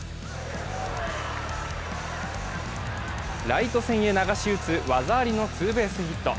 ライト線へ流し打つ、技ありのツーベースヒット。